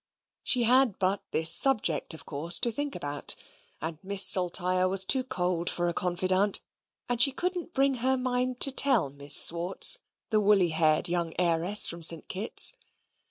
She had but this subject, of course, to think about; and Miss Saltire was too cold for a confidante, and she couldn't bring her mind to tell Miss Swartz, the woolly haired young heiress from St. Kitt's.